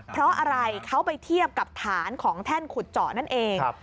เพราะอะไรเขาไปเทียบกับฐานของแท่นขุดเจาะนั่นเอง